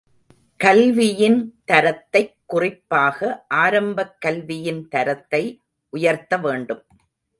கல்வியின் தரத்தைக் குறிப்பாக ஆரம்பக் கல்வியின் தரத்தை உயர்த்த வேண்டும்.